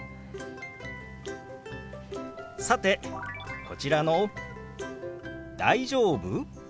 さてこちらの「大丈夫？」。